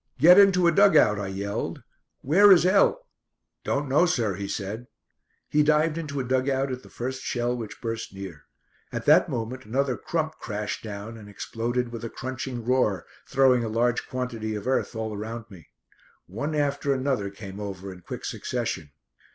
"Get into a dug out," I yelled. "Where is L ?" "Don't know, sir," he said. He dived into a dug out at the first shell which burst near. At that moment another "crump" crashed down and exploded with a crunching roar, throwing a large quantity of earth all around me. One after another came over in quick succession.